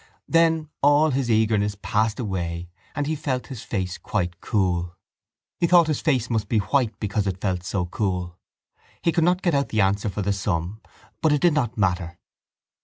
Then all his eagerness passed away and he felt his face quite cool. He thought his face must be white because it felt so cool. He could not get out the answer for the sum but it did not matter.